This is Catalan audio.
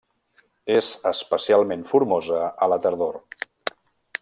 És especialment formosa a la tardor.